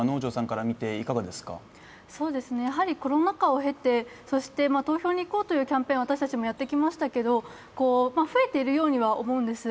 コロナ禍を経て、投票に行こうというキャンペーンを私たちもやってきましたけど増えているようには思うんです。